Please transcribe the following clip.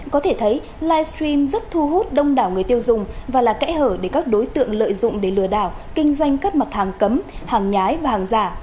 có thể thấy livestream rất thu hút đông đảo người tiêu dùng và là kẽ hở để các đối tượng lợi dụng để lừa đảo kinh doanh các mặt hàng cấm hàng nhái và hàng giả